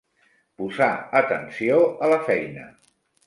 Posar atenció a la feina.